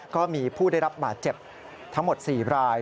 ก็มีผู้ได้รับบาดเจ็บทั้งหมด๔ราย